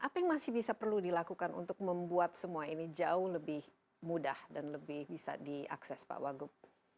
apa yang masih bisa perlu dilakukan untuk membuat semua ini jauh lebih mudah dan lebih bisa diakses pak wagub